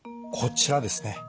こちらですね。